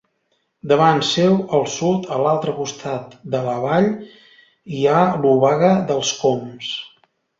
Davant seu, al sud, a l'altre costat de la vall hi ha l'Obaga dels Cóms.